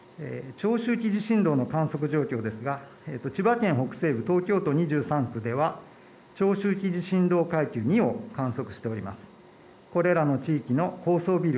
長周期地震動の観測状況ですが千葉県北西部、東京都２３区では長周期地震動階級２を観測しております。